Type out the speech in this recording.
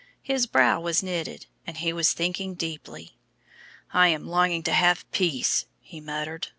His brow was knitted, and he was thinking deeply. "I am longing to have peace," he muttered.